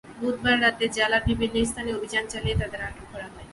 বুধবার রাতে জেলার বিভিন্ন স্থানে অভিযান চালিয়ে তাঁদের আটক করা হয়।